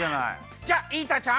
じゃあイータちゃん。